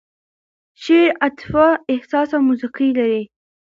شعر عاطفه، احساس او موسیقي لري.